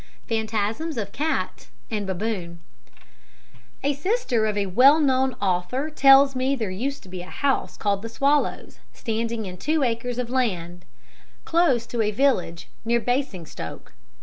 Phantasms of Cat and Baboon A sister of a well known author tells me there used to be a house called "The Swallows," standing in two acres of land, close to a village near Basingstoke.